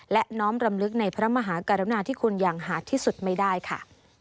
และน้อมรำลึกในพระมหากรุณาที่คุณอย่างหาดที่สุดไม่ได้ค่ะ